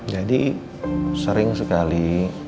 jadi sering sekali